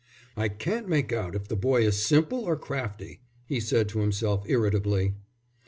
"I can't make out if the boy is simple or crafty," he said to himself irritably.